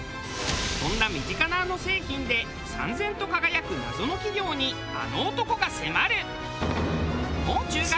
そんな身近なあの製品で燦然と輝く謎の企業にあの男が迫る！